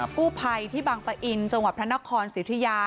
กู้ภัยที่บางปะอินจังหวัดพระนครสิทธิยา